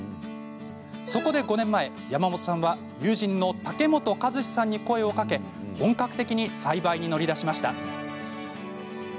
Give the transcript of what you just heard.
そこで５年前、山本さんは友人の竹本和史さんに声をかけ本格的に栽培に乗り出しました。